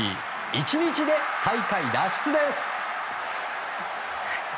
１日で最下位脱出です。